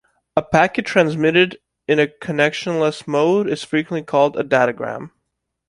A packet transmitted in a connectionless mode is frequently called a datagram.